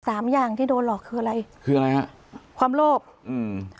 อย่างที่โดนหลอกคืออะไรคืออะไรฮะความโลภอืม